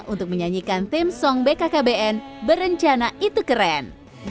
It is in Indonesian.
untuk menyanyikan tim song bkkbn berencana itu keren